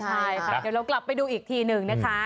ใช่ค่ะเดี๋ยวเรากลับไปดูอีกทีหนึ่งนะคะ